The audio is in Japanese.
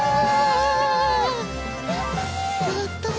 やったね！